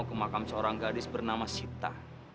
dia harus ke makam seorang gadis bernama sita